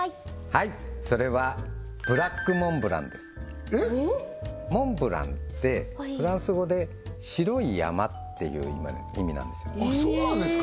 はいそれはえっモンブランってフランス語で白い山っていう意味なんですよあっそうなんですか！？